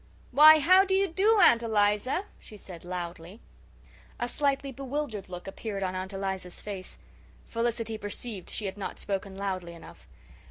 "Why, how do you do, Aunt Eliza?" she said loudly. A slightly bewildered look appeared on Aunt Eliza's face. Felicity perceived she had not spoken loudly enough.